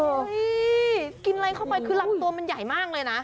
กินอะไรเข้าไปคือลำตัวมันใหญ่มากเลยนะ